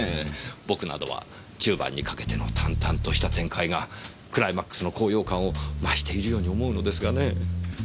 僕などは中盤にかけての淡々とした展開がクライマックスの高揚感を増しているように思うのですがねぇ。